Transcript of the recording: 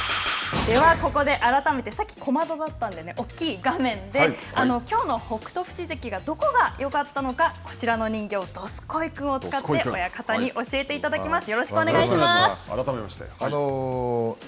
ではここで改めてさっき小窓だったんで大きい画面できょうの北勝富士関がどこがよかったのかこちらの人形どすこい君を使って親方に教えていただきます。